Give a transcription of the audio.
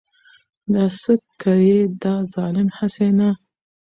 دا څه که يې دا ظالم هسې نه .